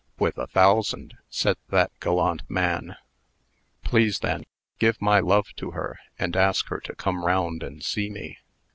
"With a thousand," said that gallant man. "Please, then, give my love to her, and ask her to come round and see me."